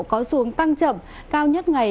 có xuống tăng chậm cao nhất ngày